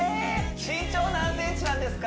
身長何センチなんですか